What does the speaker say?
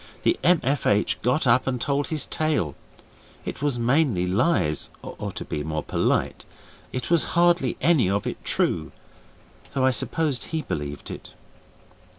The M.F.H. got up and told his tale: it was mainly lies, or, to be more polite, it was hardly any of it true, though I supposed he believed it.